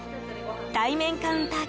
対面カウンター